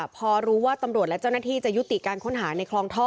พอรู้ว่าตำรวจและเจ้าหน้าที่จะยุติการค้นหาในคลองท่อ